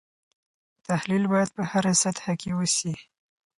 تحلیل باید په هره سطحه کې وسي.